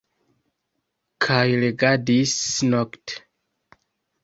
Kaj legadis nokte.